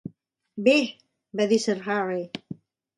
"Bé", va dir Sir Harry.